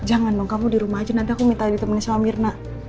jangan dong kamu di rumah aja nanti aku minta ditemani sama mirna